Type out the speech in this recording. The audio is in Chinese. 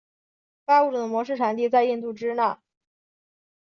该物种的模式产地在印度支那。